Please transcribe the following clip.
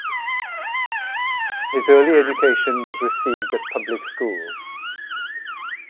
His early education was received at public schools.